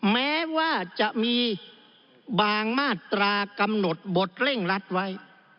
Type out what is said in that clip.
แม้ว่าจะมีบางมาตรากำหนดบทเร่งรัดไว้